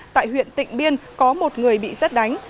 tại huyện tịnh biên có một người bị xét đánh